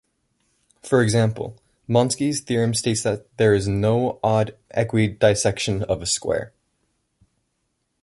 For example, Monsky's theorem states that there is no odd equidissection of a square.